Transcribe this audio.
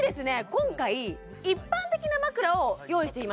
今回一般的な枕を用意してみました